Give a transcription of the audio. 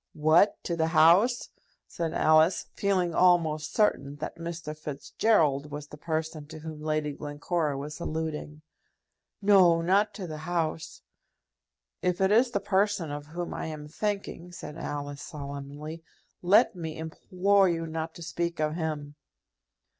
"What; to the house?" said Alice, feeling almost certain that Mr. Fitzgerald was the person to whom Lady Glencora was alluding. "No; not to the house." "If it is the person of whom I am thinking," said Alice, solemnly, "let me implore you not to speak of him."